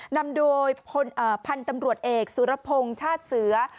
นำโดยพันธุ์ตำรวจเอกสุรพงศ์ชาติเสือ